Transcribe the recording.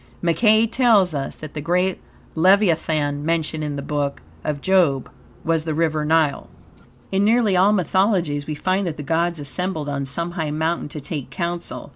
Mackey tells us that the great leviathan mentioned in the Book of job was the river Nile. In nearly all mythologies, we find that the gods assembled on some high mountain to take counsel.